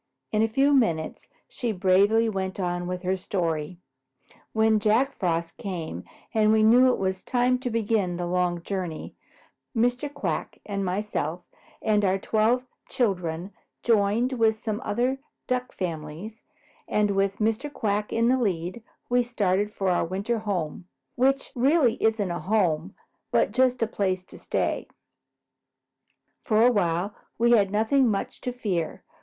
In a few minutes she bravely went on with her story. "When Jack Frost came and we knew it was time to begin the long journey, Mr. Quack and myself and our twelve children joined with some other Duck families, and with Mr. Quack in the lead, we started for our winter home, which really isn't a home but just a place to stay. For a while we had nothing much to fear.